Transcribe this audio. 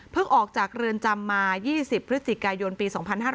ออกจากเรือนจำมา๒๐พฤศจิกายนปี๒๕๕๙